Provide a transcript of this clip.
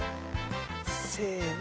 せの。